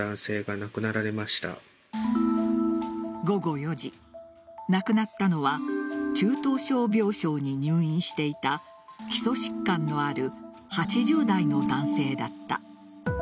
午後４時、亡くなったのは中等症病床に入院していた基礎疾患のある８０代の男性だった。